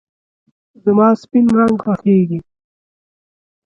زما سپین رنګ خوښېږي .